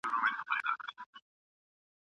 ګوره وي او که به نه وي دلته غوږ د اورېدلو